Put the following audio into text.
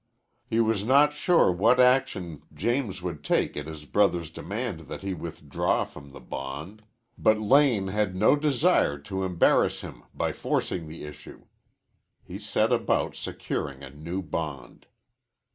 He was not sure what action James would take at his brother's demand that he withdraw from the bond. But Lane had no desire to embarrass him by forcing the issue. He set about securing a new bond.